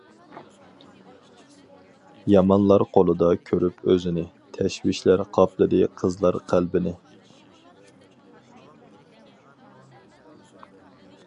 يامانلار قولىدا كۆرۈپ ئۆزىنى، تەشۋىشلەر قاپلىدى قىزلار قەلبىنى.